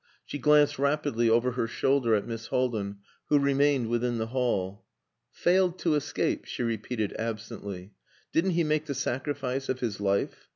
She glanced rapidly over her shoulder at Miss Haldin, who remained within the hall. "Failed to escape," she repeated absently. "Didn't he make the sacrifice of his life?